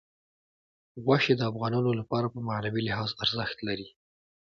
غوښې د افغانانو لپاره په معنوي لحاظ ارزښت لري.